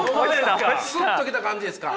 スッと来た感じですか？